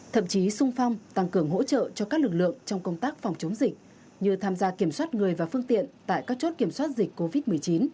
thậm chí sung phong tăng cường hỗ trợ cho các lực lượng trong công tác phòng chống dịch như tham gia kiểm soát người và phương tiện tại các chốt kiểm soát dịch covid một mươi chín